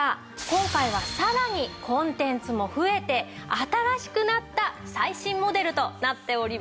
今回はさらにコンテンツも増えて新しくなった最新モデルとなっております。